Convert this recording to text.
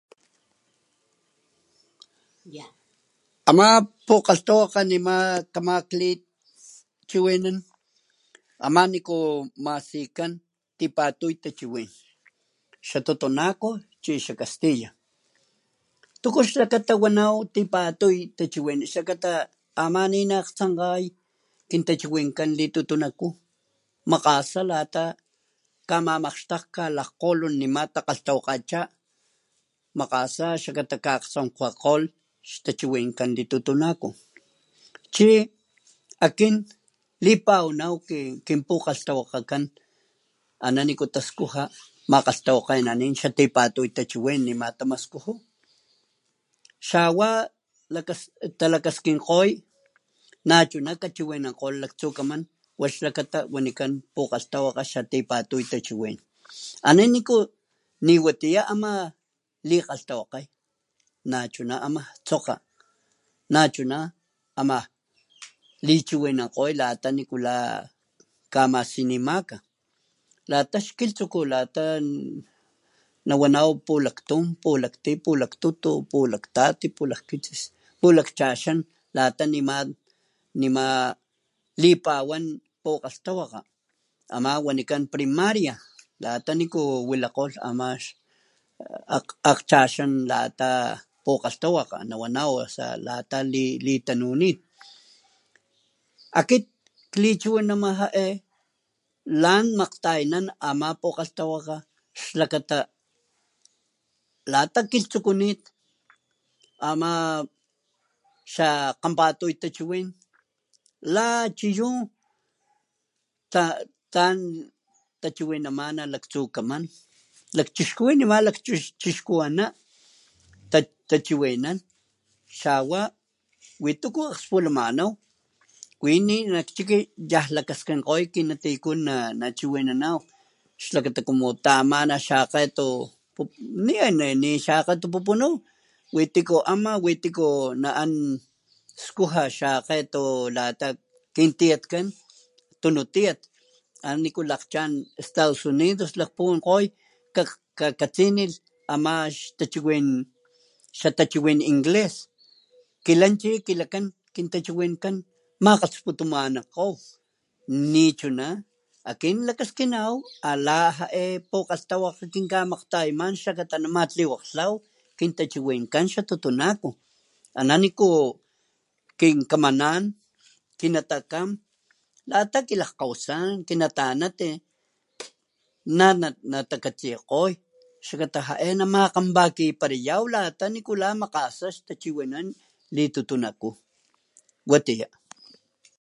Ama pukgalhtawakge nima kama kli chiwinan ama niku masikan tipatuy tachiwin, xa totonaco chi xa castilla tuku xlakata wanaw tipatuy tachiwin xlakata ama ninatsankgay kintachiwinkan litutunakú makgasa lata kamamakgxtajka lajkgkgolon nema takgalhtawakgacha makgasa xakata ka'akgtsonkgswakgolh xtachiwinkan litotonaco chi akin lipawanaw kinpukgalhtwakgakan ana niku taskuja makgalhtawakgenanin xatipatuy tachiwn nima tamaskuju xawa talakaskinkgoy nachuna kachiwinankgoy laktsukaman wa xlakata wanikan pukgalhtawakga xatipatuy tachiwin ana niku niwatiya ama likgalhtawakgay nachuna ama tsokga nachuna ama lichiwinankgoy lata nikula kamasinimaka lata xkilhtsukut lata nawanaw pulaktun, pulaktuy, pukaktutu, pulaktati, pulakkitsis, pulakchaxan lata nima, nima lipawan pukgalhtawakga ama wanikan primaria lata niku wilakgolh ama akgchaxan lata pukgalhtawakga nawanaw osea lata litanunit akit klichinama ja'e lan makgtayanan ama pukgalhtawakga xlakata lata kilhtsukunit ama xakganpatuy tachiwin lachiyu tlan tachiwinamana laktsukaman lakchixkuwin nema lakchixkuana tachiwinan xawa wi tuku akgspulamanaw wini nak chiki yajlakaskinkgoy kinatkun nachiwinanaw xlakata como tamana xakgeto ni xakgeto pupunú wi tiku ama wi tiku na'an skuja xakgeto lata skuja tiyatkan tunu tiyat ana niku lakgchan Estados Unidos lakgpuwankgoy kakatsinilh ama xatachiwin xa tachiwin inglés, kilakan chi kintachiwinkan makgalhsputumanankgoy nichuna akin lakaskinaw a la ja'e pukgalhtawakga kinkamakgtayaman xlakata namatliwakglhaw kintachiwinkan xa totonaco ana niku kinkamanan, kinatakam lata kilajkgwasan, kinatanatni nana takatsikgoy xlakata ja'e namakgenparakiyaw lata nikula makgasa xtachiwinan litutunakú watiya.